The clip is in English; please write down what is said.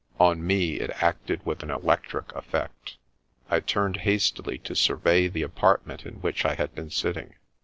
On me it acted with an electric effect. I turned hastily to survey the apartment in which I had been sitting.